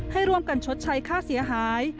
ให้ร่วมกันชดใช้ค่าเสียหาย